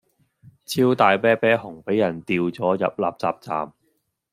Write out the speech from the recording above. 超大啤啤熊俾人掉左入垃圾站